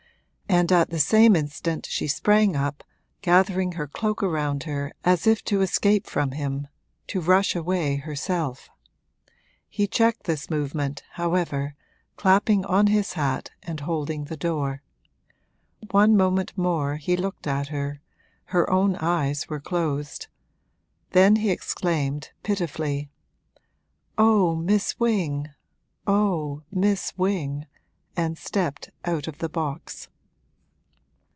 and at the same instant she sprang up, gathering her cloak around her as if to escape from him, to rush away herself. He checked this movement, however, clapping on his hat and holding the door. One moment more he looked at her her own eyes were closed; then he exclaimed, pitifully, 'Oh Miss Wing, oh Miss Wing!' and stepped out of the box.